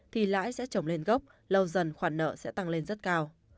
thì lãi sẽ trồng lên gốc lâu dần khoản nợ sẽ tăng lên rất cao